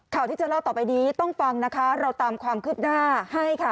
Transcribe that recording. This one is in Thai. ข่าวที่จะเล่าต่อไปนี้ต้องฟังนะคะเราตามความคืบหน้าให้ค่ะ